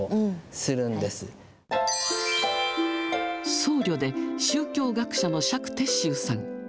僧侶で宗教学者の釈徹宗さん。